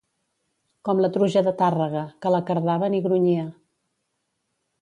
Com la truja de Tàrrega, que la cardaven i grunyia.